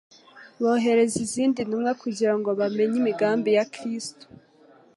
bohereza izindi ntumwa kugira ngo bamenye imigambi ya Kristo